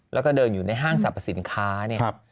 แล้วก็เดินอยู่ในห้างสรรพสินค้าเนี่ย